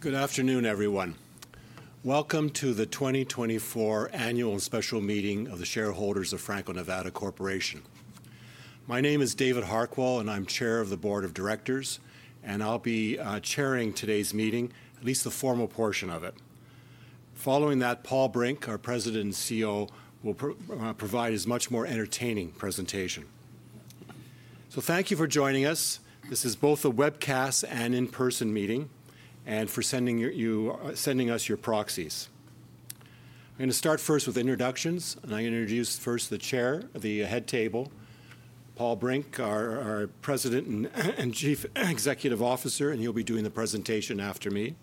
Good afternoon, everyone. Welcome to the 2024 Annual and Special Meeting of the Shareholders of Franco-Nevada Corporation. My name is David Harquail, and I'm Chair of the Board of Directors, and I'll be chairing today's meeting, at least the formal portion of it. Following that, Paul Brink, our President and CEO, will provide his much more entertaining presentation. Thank you for joining us. This is both a webcast and in-person meeting, and for sending us your proxies. I'm gonna start first with introductions, and I'm gonna introduce first the chair of the head table, Paul Brink, our President and Chief Executive Officer, and he'll be doing the presentation after me.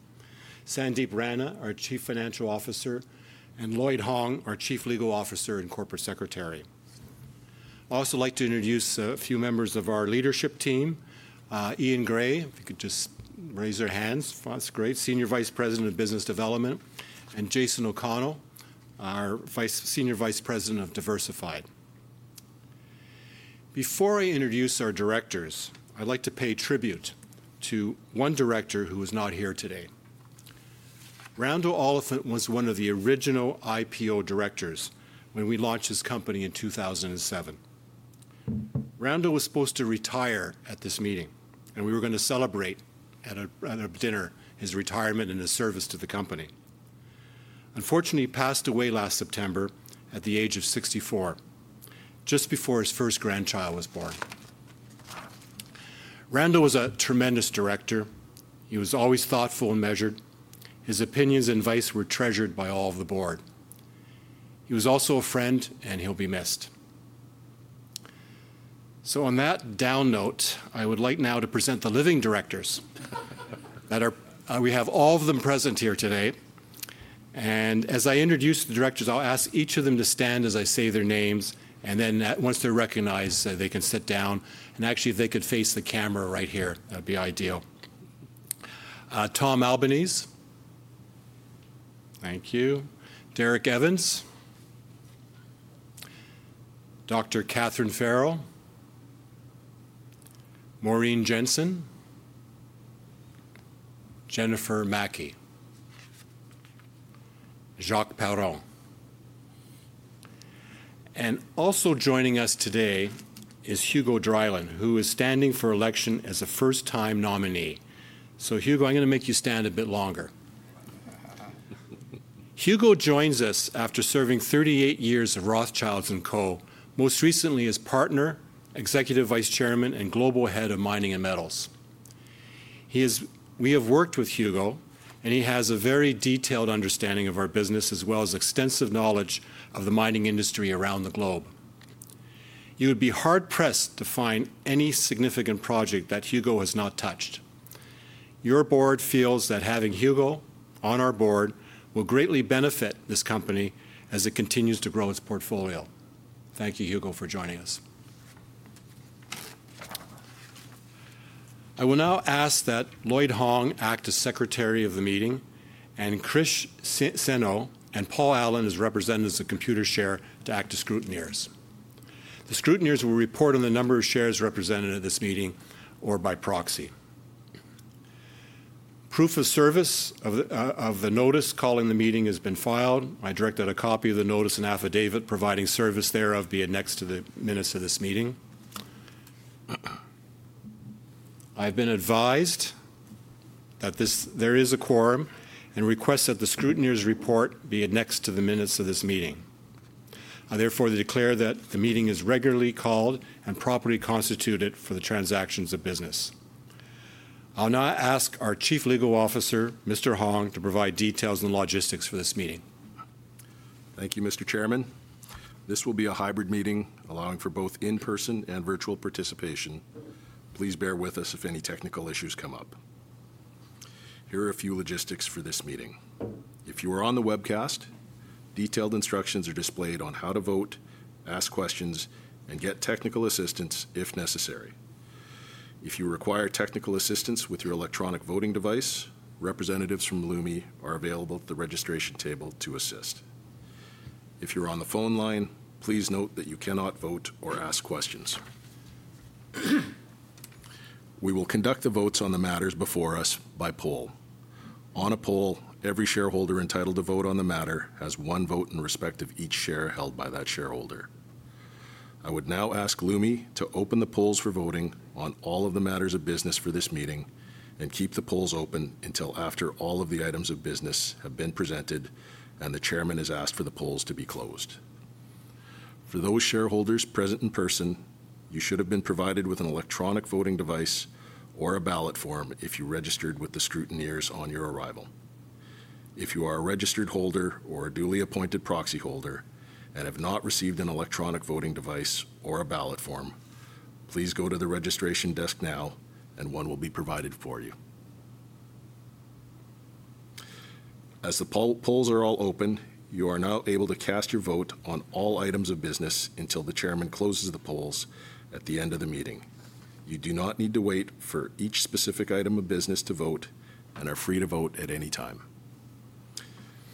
Sandip Rana, our Chief Financial Officer, and Lloyd Hong, our Chief Legal Officer and Corporate Secretary. I'd also like to introduce a few members of our leadership team. Eaun Gray, if you could just raise their hands. That's great. Senior Vice President of Business Development, and Jason O'Connell, our Senior Vice President of Diversified. Before I introduce our directors, I'd like to pay tribute to one director who is not here today. Randall Oliphant was one of the original IPO directors when we launched this company in 2007. Randall was supposed to retire at this meeting, and we were gonna celebrate at a dinner, his retirement and his service to the company. Unfortunately, he passed away last September at the age of 64, just before his first grandchild was born. Randall was a tremendous director. He was always thoughtful and measured. His opinions and advice were treasured by all of the board. He was also a friend, and he'll be missed. So on that down note, I would like now to present the living directors. That are, we have all of them present here today, and as I introduce the directors, I'll ask each of them to stand as I say their names, and then, once they're recognized, they can sit down, and actually, if they could face the camera right here, that'd be ideal. Tom Albanese. Thank you. Derek Evans. Dr. Catharine Farrow. Maureen Jensen. Jennifer Maki. Jacques Perron. And also joining us today is Hugo Dryland, who is standing for election as a first-time nominee. So Hugo, I'm gonna make you stand a bit longer. Hugo joins us after serving 38 years of Rothschild & Co., most recently as Partner, Executive Vice Chairman, and Global Head of Mining and Metals. We have worked with Hugo, and he has a very detailed understanding of our business, as well as extensive knowledge of the mining industry around the globe. You would be hard-pressed to find any significant project that Hugo has not touched. Your board feels that having Hugo on our board will greatly benefit this company as it continues to grow its portfolio. Thank you, Hugo, for joining us. I will now ask that Lloyd Hong act as Secretary of the meeting, and Chris Sinnott and Paul Allen, as representatives of Computershare, to act as scrutineers. The scrutineers will report on the number of shares represented at this meeting or by proxy. Proof of service of the notice calling the meeting has been filed. I directed a copy of the notice and affidavit providing service thereof be annexed to the minutes of this meeting. I've been advised that there is a quorum and request that the scrutineers' report be annexed to the minutes of this meeting. I therefore declare that the meeting is regularly called and properly constituted for the transactions of business. I'll now ask our Chief Legal Officer, Mr. Hong, to provide details and logistics for this meeting. Thank you, Mr. Chairman. This will be a hybrid meeting, allowing for both in-person and virtual participation. Please bear with us if any technical issues come up. Here are a few logistics for this meeting. If you are on the webcast, detailed instructions are displayed on how to vote, ask questions, and get technical assistance if necessary. If you require technical assistance with your electronic voting device, representatives from Lumi are available at the registration table to assist. If you're on the phone line, please note that you cannot vote or ask questions. We will conduct the votes on the matters before us by poll. On a poll, every shareholder entitled to vote on the matter has one vote in respect of each share held by that shareholder. I would now ask Lumi to open the polls for voting on all of the matters of business for this meeting and keep the polls open until after all of the items of business have been presented and the chairman has asked for the polls to be closed. For those shareholders present in person, you should have been provided with an electronic voting device or a ballot form if you registered with the scrutineers on your arrival. If you are a registered holder or a duly appointed proxy holder and have not received an electronic voting device or a ballot form, please go to the registration desk now, and one will be provided for you. As the polls are all open, you are now able to cast your vote on all items of business until the chairman closes the polls at the end of the meeting. You do not need to wait for each specific item of business to vote and are free to vote at any time....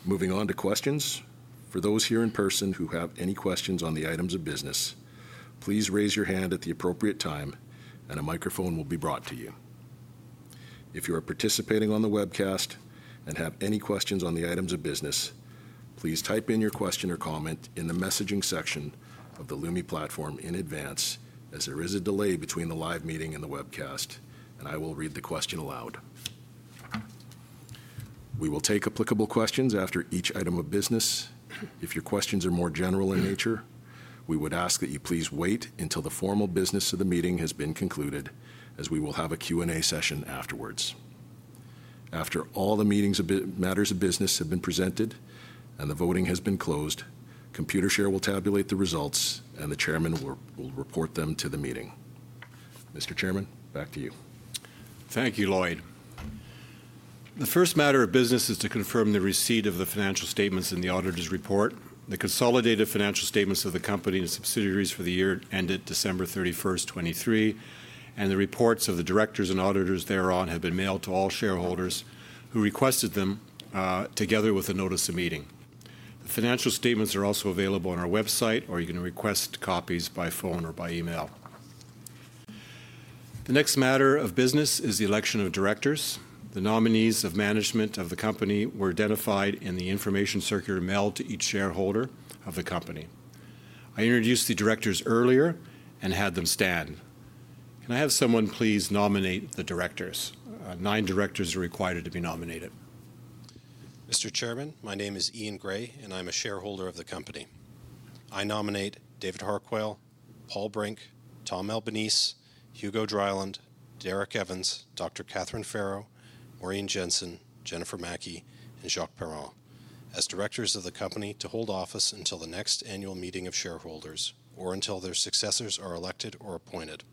Moving on to questions. For those here in person who have any questions on the items of business, please raise your hand at the appropriate time, and a microphone will be brought to you. If you are participating on the webcast and have any questions on the items of business, please type in your question or comment in the messaging section of the Lumi platform in advance, as there is a delay between the live meeting and the webcast, and I will read the question aloud. We will take applicable questions after each item of business. If your questions are more general in nature, we would ask that you please wait until the formal business of the meeting has been concluded, as we will have a Q&A session afterwards. After all the matters of business have been presented and the voting has been closed, Computershare will tabulate the results, and the chairman will report them to the meeting. Mr. Chairman, back to you. Thank you, Lloyd. The first matter of business is to confirm the receipt of the financial statements in the auditor's report. The consolidated financial statements of the company and subsidiaries for the year ended December 31st, 2023, and the reports of the directors and auditors thereon have been mailed to all shareholders who requested them, together with a notice of meeting. The financial statements are also available on our website, or you can request copies by phone or by email. The next matter of business is the election of directors. The nominees of management of the company were identified in the information circular mailed to each shareholder of the company. I introduced the directors earlier and had them stand. Can I have someone please nominate the directors? Nine directors are required to be nominated. Mr. Chairman, my name is Eaun Gray, and I'm a shareholder of the company. I nominate David Harquail, Paul Brink, Tom Albanese, Hugo Dryland, Derek Evans, Dr. Catharine Farrow, Maureen Jensen, Jennifer Maki, and Jacques Perron as directors of the company to hold office until the next annual meeting of shareholders or until their successors are elected or appointed.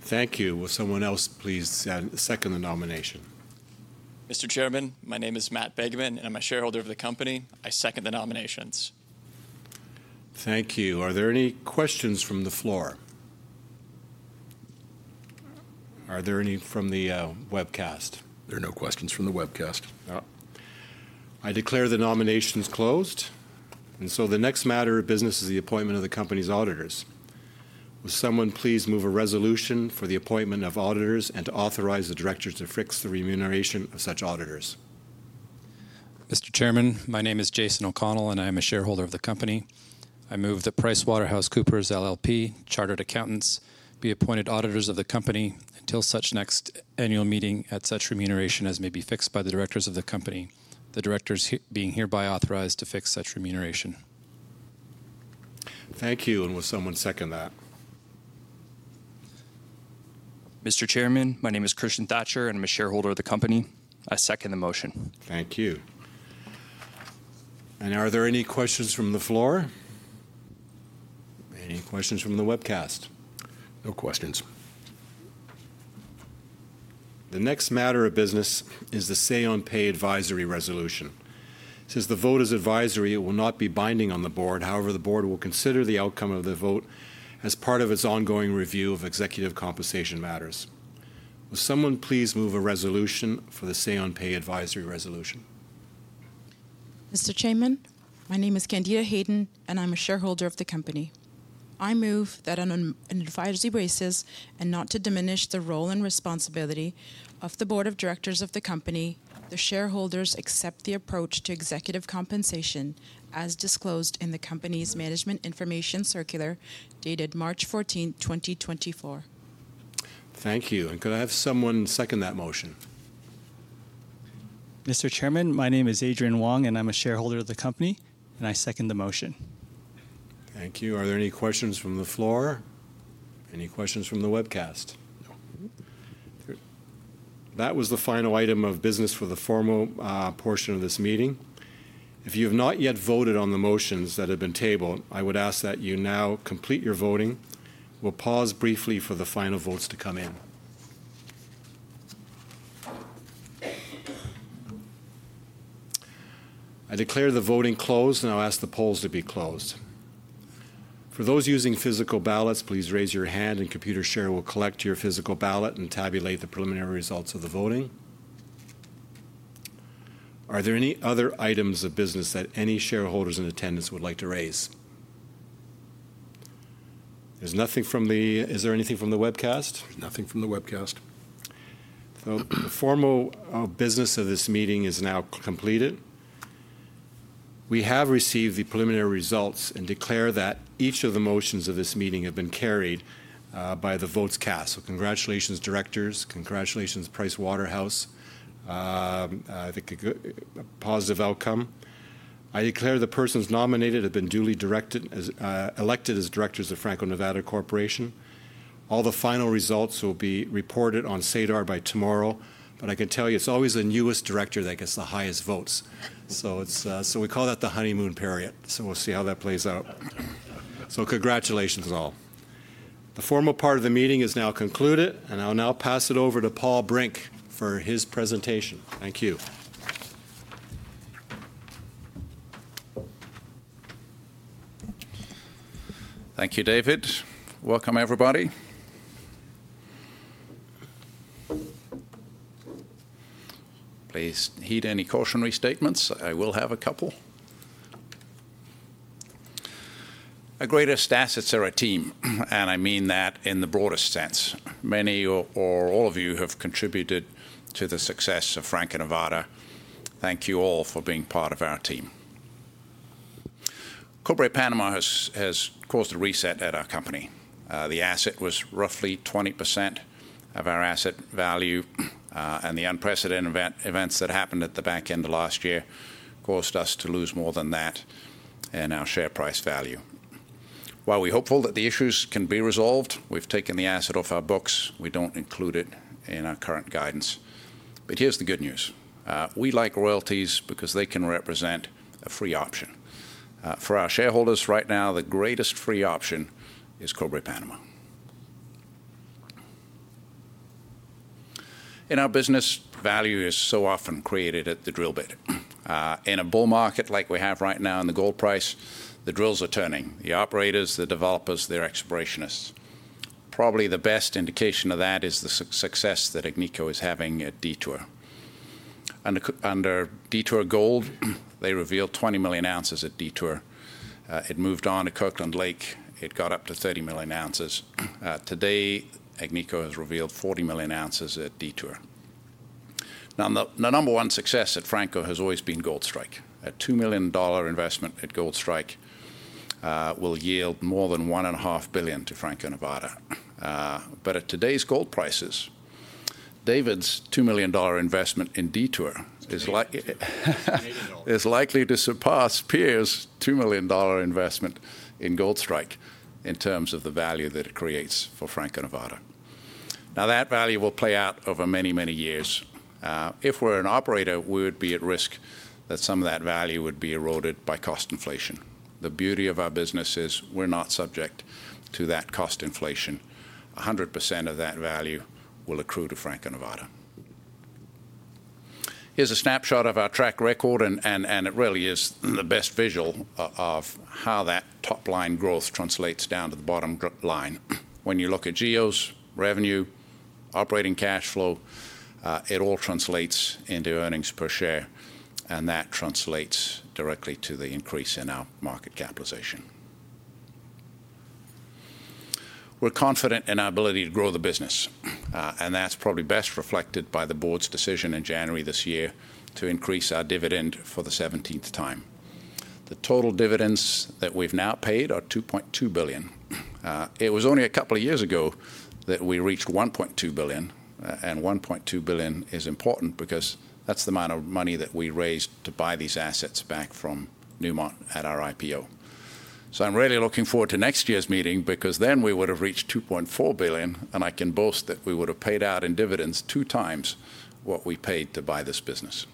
Thank you. Will someone else please second the nomination? Mr. Chairman, my name is Matt Begeman, and I'm a shareholder of the company. I second the nominations. Thank you. Are there any questions from the floor? Are there any from the webcast? There are no questions from the webcast. No. I declare the nominations closed, and so the next matter of business is the appointment of the company's auditors. Will someone please move a resolution for the appointment of auditors and to authorize the directors to fix the remuneration of such auditors? Mr. Chairman, my name is Jason O'Connell, and I am a shareholder of the company. I move that PricewaterhouseCoopers LLP, Chartered Accountants, be appointed auditors of the company until such next annual meeting at such remuneration as may be fixed by the directors of the company. The directors being hereby authorized to fix such remuneration. Thank you. And will someone second that? Mr. Chairman, my name is Christian Thatcher, and I'm a shareholder of the company. I second the motion. Thank you. Are there any questions from the floor? Any questions from the webcast? No questions. The next matter of business is the Say-on-Pay advisory resolution. Since the vote is advisory, it will not be binding on the board. However, the board will consider the outcome of the vote as part of its ongoing review of executive compensation matters. Will someone please move a resolution for the Say-on-Pay advisory resolution? Mr. Chairman, my name is Candida Hayden, and I'm a shareholder of the company. I move that on an advisory basis, and not to diminish the role and responsibility of the board of directors of the company, the shareholders accept the approach to executive compensation as disclosed in the company's management information circular, dated March 14th, 2024. Thank you. Could I have someone second that motion? Mr. Chairman, my name is Adrian Wong, and I'm a shareholder of the company, and I second the motion. Thank you. Are there any questions from the floor? Any questions from the webcast? No. Good. That was the final item of business for the formal portion of this meeting. If you have not yet voted on the motions that have been tabled, I would ask that you now complete your voting. We'll pause briefly for the final votes to come in. I declare the voting closed, and I'll ask the polls to be closed. For those using physical ballots, please raise your hand, and Computershare will collect your physical ballot and tabulate the preliminary results of the voting. Are there any other items of business that any shareholders in attendance would like to raise? There's nothing from the... Is there anything from the webcast? Nothing from the webcast. The formal business of this meeting is now completed. We have received the preliminary results and declare that each of the motions of this meeting have been carried by the votes cast. Congratulations, directors. Congratulations, Pricewaterhouse. I think a good, a positive outcome. I declare the persons nominated have been duly directed as elected as directors of Franco-Nevada Corporation. All the final results will be reported on SEDAR by tomorrow, but I can tell you, it's always the newest director that gets the highest votes. So it's... So we call that the honeymoon period. We'll see how that plays out. Congratulations, all. The formal part of the meeting is now concluded, and I'll now pass it over to Paul Brink for his presentation. Thank you. Thank you, David. Welcome, everybody. Please heed any cautionary statements. I will have a couple. Our greatest assets are our team, and I mean that in the broadest sense. Many or all of you have contributed to the success of Franco-Nevada. Thank you all for being part of our team. Cobre Panama has caused a reset at our company. The asset was roughly 20% of our asset value, and the unprecedented events that happened at the back end of last year caused us to lose more than that in our share price value. While we're hopeful that the issues can be resolved, we've taken the asset off our books. We don't include it in our current guidance. But here's the good news. We like royalties because they can represent a free option. For our shareholders right now, the greatest free option is Cobre Panama. In our business, value is so often created at the drill bit. In a bull market like we have right now in the gold price, the drills are turning, the operators, the developers, they're explorationists. Probably the best indication of that is the success that Agnico is having at Detour. Under Detour Gold, they revealed 20 million ounces at Detour. It moved on to Kirkland Lake, it got up to 30 million ounces. Today, Agnico has revealed 40 million ounces at Detour. Now, the number one success at Franco has always been Goldstrike. A $2 million investment at Goldstrike will yield more than $1.5 billion to Franco-Nevada. But at today's gold prices, David's $2 million investment in Detour is likely to surpass Pierre's $2 million investment in Goldstrike in terms of the value that it creates for Franco-Nevada. Now, that value will play out over many, many years. If we're an operator, we would be at risk that some of that value would be eroded by cost inflation. The beauty of our business is we're not subject to that cost inflation. 100% of that value will accrue to Franco-Nevada. Here's a snapshot of our track record, and it really is the best visual of how that top-line growth translates down to the bottom line. When you look at gross revenue, operating cash flow, it all translates into earnings per share, and that translates directly to the increase in our market capitalization. We're confident in our ability to grow the business, and that's probably best reflected by the board's decision in January this year to increase our dividend for the seventeenth time. The total dividends that we've now paid are $2.2 billion. It was only a couple of years ago that we reached $1.2 billion, and $1.2 billion is important because that's the amount of money that we raised to buy these assets back from Newmont at our IPO. So I'm really looking forward to next year's meeting, because then we would have reached $2.4 billion, and I can boast that we would have paid out in dividends 2x what we paid to buy this business.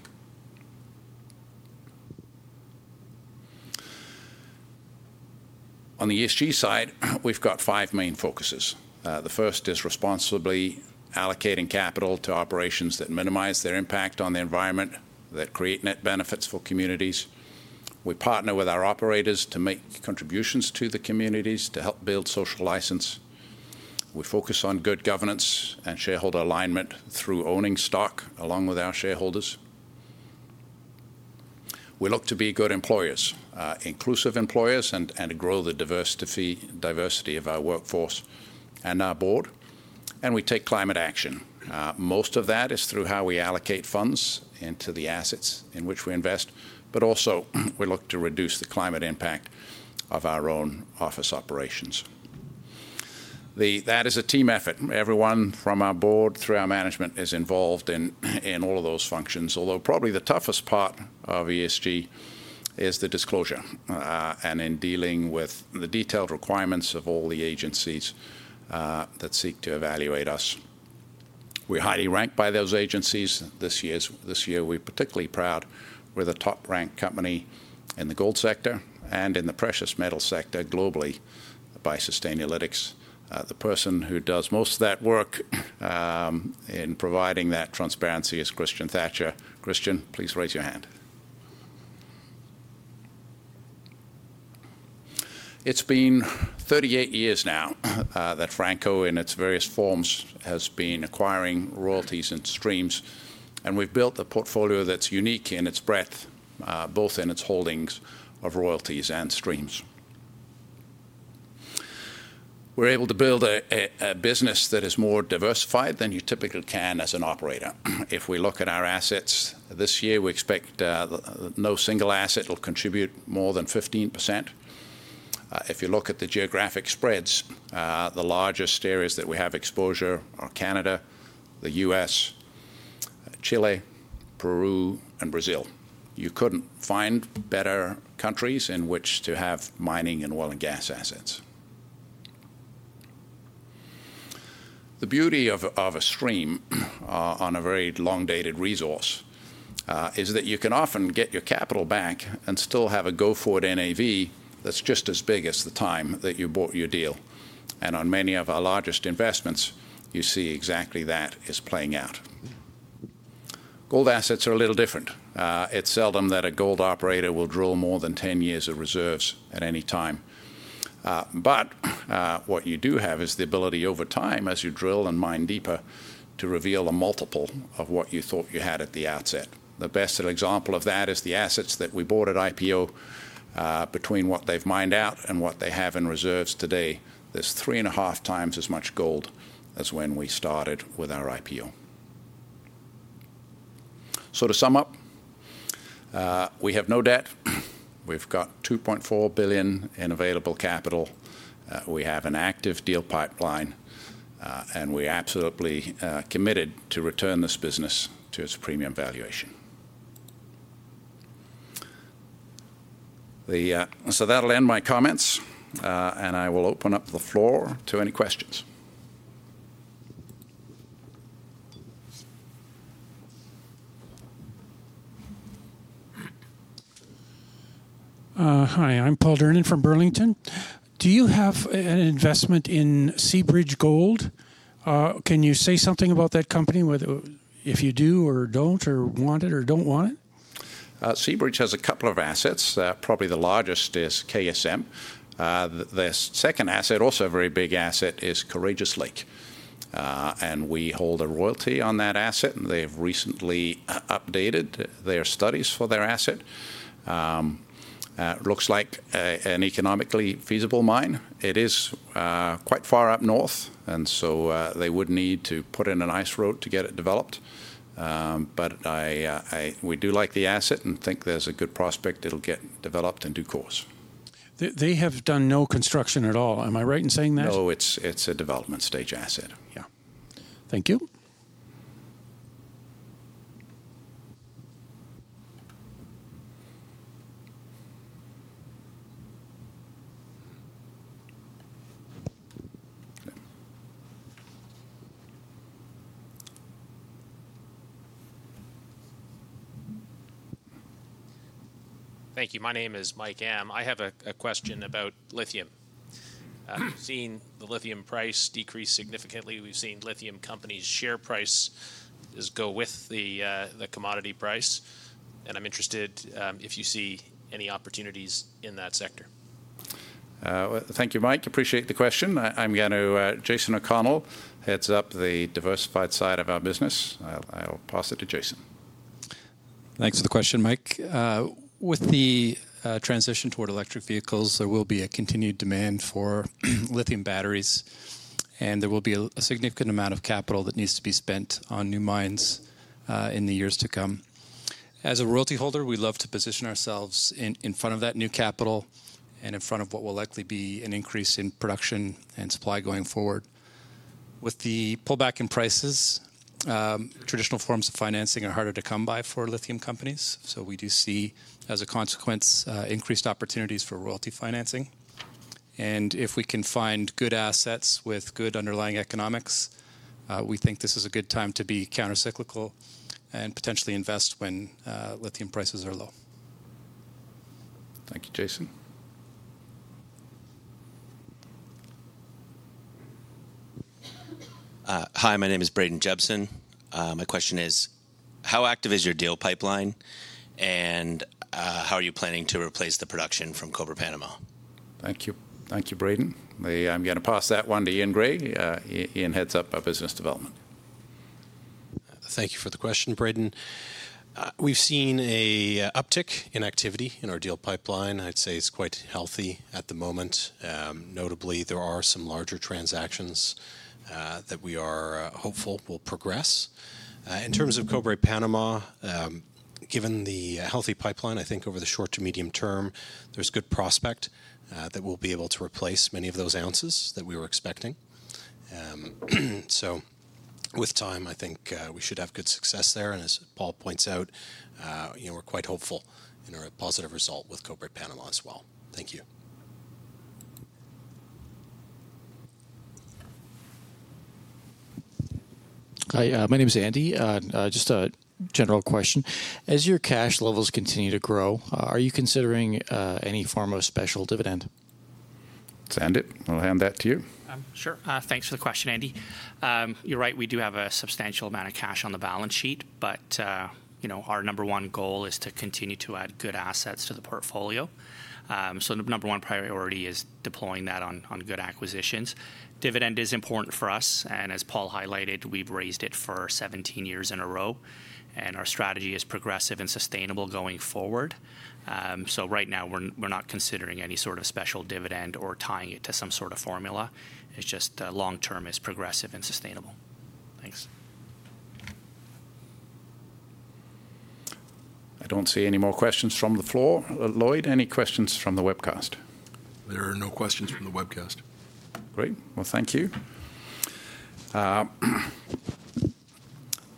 On the ESG side, we've got five main focuses. The first is responsibly allocating capital to operations that minimize their impact on the environment, that create net benefits for communities. We partner with our operators to make contributions to the communities to help build social license. We focus on good governance and shareholder alignment through owning stock, along with our shareholders. We look to be good employers, inclusive employers, and to grow the diversity of our workforce and our board, and we take climate action. Most of that is through how we allocate funds into the assets in which we invest, but also, we look to reduce the climate impact of our own office operations. That is a team effort. Everyone from our board through our management is involved in all of those functions, although probably the toughest part of ESG is the disclosure and in dealing with the detailed requirements of all the agencies that seek to evaluate us. We're highly ranked by those agencies. This year, we're particularly proud we're the top-ranked company in the gold sector and in the precious metal sector globally by Sustainalytics. The person who does most of that work in providing that transparency is Christian Thatcher. Christian, please raise your hand. It's been 38 years now that Franco, in its various forms, has been acquiring royalties and streams, and we've built a portfolio that's unique in its breadth both in its holdings of royalties and streams. We're able to build a business that is more diversified than you typically can as an operator. If we look at our assets this year, we expect no single asset will contribute more than 15%. If you look at the geographic spreads, the largest areas that we have exposure are Canada, the U.S., Chile, Peru, and Brazil. You couldn't find better countries in which to have mining and oil and gas assets. The beauty of a stream on a very long-dated resource is that you can often get your capital back and still have a go-forward NAV that's just as big as the time that you bought your deal. And on many of our largest investments, you see exactly that is playing out... Gold assets are a little different. It's seldom that a gold operator will drill more than 10 years of reserves at any time. But what you do have is the ability over time, as you drill and mine deeper, to reveal a multiple of what you thought you had at the outset. The best example of that is the assets that we bought at IPO. Between what they've mined out and what they have in reserves today, there's 3.5x as much gold as when we started with our IPO. So to sum up, we have no debt. We've got $2.4 billion in available capital. We have an active deal pipeline, and we're absolutely committed to return this business to its premium valuation. So that'll end my comments, and I will open up the floor to any questions. Hi, I'm Paul Durnin from Burlington. Do you have a, an investment in Seabridge Gold? Can you say something about that company, whether if you do or don't, or want it or don't want it? Seabridge has a couple of assets. Probably the largest is KSM. Their second asset, also a very big asset, is Courageous Lake. And we hold a royalty on that asset, and they've recently updated their studies for their asset. It looks like an economically feasible mine. It is quite far up north, and so they would need to put in an ice road to get it developed. But we do like the asset and think there's a good prospect it'll get developed in due course. They have done no construction at all. Am I right in saying that? No, it's a development stage asset. Yeah. Thank you. Thank you. My name is Mike Amm. I have a question about lithium. We've seen the lithium price decrease significantly. We've seen lithium companies' share prices go with the commodity price, and I'm interested if you see any opportunities in that sector. Thank you, Mike. Appreciate the question. I'm going to Jason O'Connell heads up the diversified side of our business. I'll pass it to Jason. Thanks for the question, Mike. With the transition toward electric vehicles, there will be a continued demand for lithium batteries, and there will be a significant amount of capital that needs to be spent on new mines in the years to come. As a royalty holder, we love to position ourselves in front of that new capital and in front of what will likely be an increase in production and supply going forward. With the pullback in prices, traditional forms of financing are harder to come by for lithium companies, so we do see, as a consequence, increased opportunities for royalty financing. And if we can find good assets with good underlying economics, we think this is a good time to be countercyclical and potentially invest when lithium prices are low. Thank you, Jason. Hi, my name is Braden Jebson. My question is, how active is your deal pipeline, and how are you planning to replace the production from Cobre Panama? Thank you. Thank you, Braden. I'm gonna pass that one to Eaun Gray. Eaun heads up our business development. Thank you for the question, Braden. We've seen a uptick in activity in our deal pipeline. I'd say it's quite healthy at the moment. Notably, there are some larger transactions that we are hopeful will progress. In terms of Cobre Panama, given the healthy pipeline, I think over the short to medium term, there's good prospect that we'll be able to replace many of those ounces that we were expecting. So with time, I think we should have good success there, and as Paul points out, you know, we're quite hopeful in a positive result with Cobre Panama as well. Thank you. Hi, my name is Andy. Just a general question: As your cash levels continue to grow, are you considering any form of special dividend? Sandip, I'll hand that to you. Sure. Thanks for the question, Andy. You're right, we do have a substantial amount of cash on the balance sheet, but, you know, our number one goal is to continue to add good assets to the portfolio. So the number one priority is deploying that on good acquisitions. Dividend is important for us, and as Paul highlighted, we've raised it for 17 years in a row, and our strategy is progressive and sustainable going forward. So right now we're not considering any sort of special dividend or tying it to some sort of formula. It's just long term, it's progressive and sustainable. Thanks. I don't see any more questions from the floor. Lloyd, any questions from the webcast? There are no questions from the webcast. Great. Well, thank you.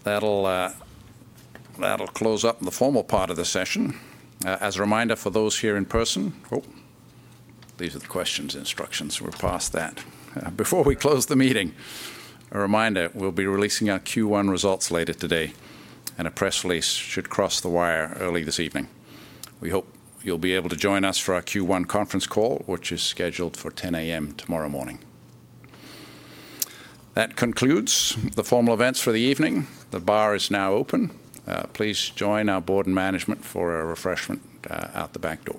That'll close up the formal part of the session. As a reminder for those here in person... These are the questions instructions. We're past that. Before we close the meeting, a reminder, we'll be releasing our Q1 results later today, and a press release should cross the wire early this evening. We hope you'll be able to join us for our Q1 conference call, which is scheduled for 10 A.M. tomorrow morning. That concludes the formal events for the evening. The bar is now open. Please join our board and management for a refreshment out the back door.